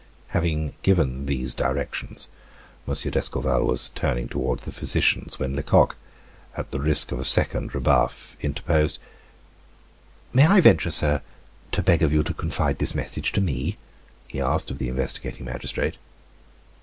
Having given these directions, M. d'Escorval was turning toward the physicians, when Lecoq, at the risk of a second rebuff, interposed. "May I venture, sir, to beg of you to confide this message to me?" he asked of the investigating magistrate.